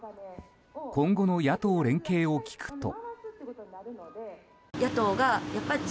今後の野党連携を聞くと。